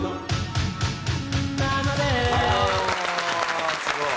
わあすごい。